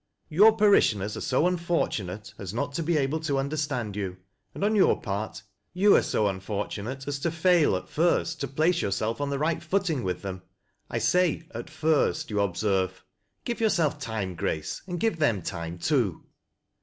Your parishioners are so unfcrtunate as not to be able to understand you, and on your part you are so unfortunate as to fail at first to place yourself on tbe right footing with them. I say ' at first,' you observe. Give j ourself time, Grace, and give them time too."